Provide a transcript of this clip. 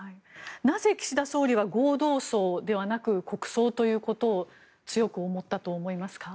なぜ岸田総理は合同葬ではなく国葬ということを強く思ったと思いますか。